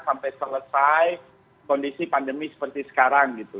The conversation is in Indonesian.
sampai selesai kondisi pandemi seperti sekarang gitu